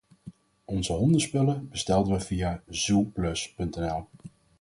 Onze hondenspullen bestelden we via Zooplus.nl.